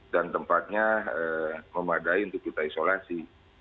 dan tempatnya memadai untuk kita isolasi